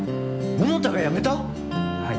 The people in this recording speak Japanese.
桃田が辞めた⁉はい。